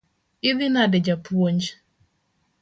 Idhi nade japuonj?